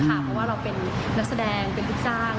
เพราะว่าเราเป็นนักแสดงเป็นลูกจ้าง